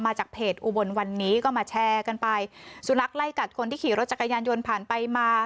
มาจากเพจอุบลวันนี้ก็มาแชร์กันไปสุนัขไล่กัดคนที่ขี่รถจักรยานยนต์ผ่านไปมา